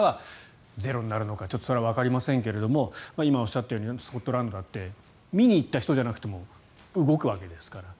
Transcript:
またはゼロになるのかはわかりませんけれども今、おっしゃったようにスコットランドだって見に行った人じゃなくても動くわけですから。